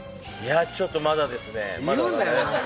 ちょっとまだですね。